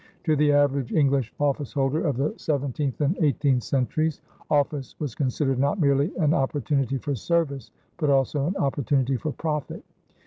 To the average English officeholder of the seventeenth and eighteenth centuries, office was considered not merely an opportunity for service but also an opportunity for profit.